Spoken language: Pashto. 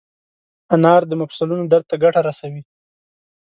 انار د مفصلونو درد ته ګټه رسوي.